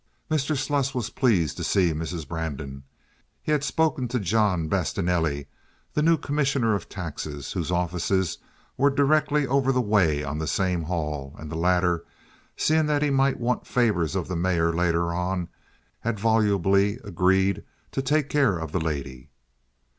Mr. Sluss was pleased to see Mrs. Brandon. He had spoken to John Bastienelli, the new commissioner of taxes, whose offices were directly over the way on the same hall, and the latter, seeing that he might want favors of the mayor later on, had volubly agreed to take care of the lady.